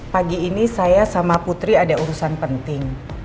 pagi ini saya sama putri ada urusan penting